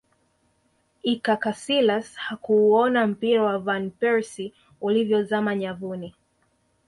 iker casilas hakuuona mpira wa van persie ulivyozama nyavuni